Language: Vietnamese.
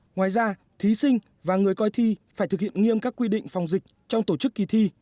ngoài ra thí sinh và người coi thi phải thực hiện nghiêm các quy định phòng dịch trong tổ chức kỳ thi